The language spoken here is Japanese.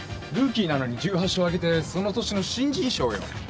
ルーキーなのに１８勝挙げてその年の新人賞よ。